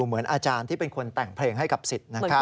เหมือนอาจารย์ที่เป็นคนแต่งเพลงให้กับสิทธิ์